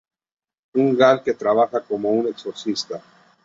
Una gal que trabaja como un exorcista.